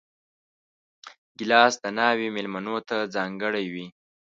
ګیلاس د ناوې مېلمنو ته ځانګړی وي.